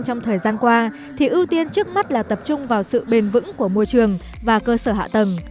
trong thời gian qua thì ưu tiên trước mắt là tập trung vào sự bền vững của môi trường và cơ sở hạ tầng